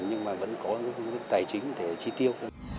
nhưng mà vẫn có cái tài chính để chi tiêu